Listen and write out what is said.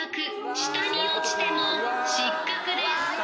下に落ちても失格です。